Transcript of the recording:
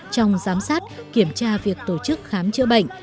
trong giám sát kiểm tra việc tổ chức khám chữa bệnh